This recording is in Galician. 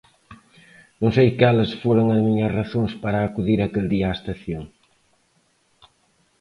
Non sei cales foron as miñas razóns para acudir aquel día á estación.